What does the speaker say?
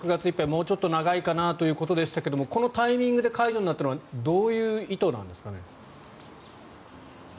もうちょっと長いかなということでしたがこのタイミングで解除になったのはどういう意図なんですかね？